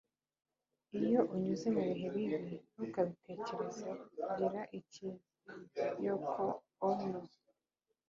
iyo unyuze mubihe bibi, ntukabitekerezeho. gira icyiza. - yoko ono